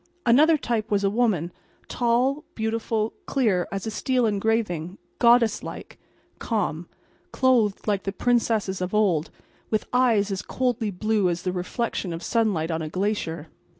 Another type was a woman, tall, beautiful, clear as a steel engraving, goddess like, calm, clothed like the princesses of old, with eyes as coldly blue as the reflection of sunlight on a glacier.